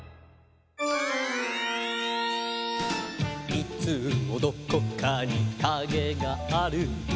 「いつもどこかにカゲがある」